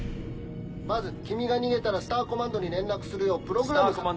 バズ君が逃げたらスター・コマンドに連絡するようプログラムされ。